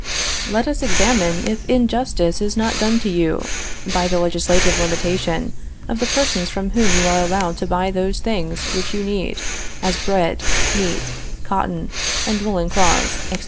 Let us examine if injustice is not done to you, by the legislative limitation of the persons from whom you are allowed to buy those things which you need; as bread, meat, cotton and woolen cloths, etc.